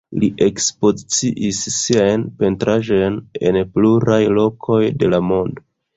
Li ekspoziciis siajn pentraĵojn en pluraj lokoj de la mondo.